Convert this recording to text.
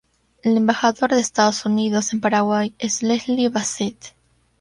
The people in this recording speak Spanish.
El embajador de Estados Unidos en Paraguay es Leslie A. Bassett.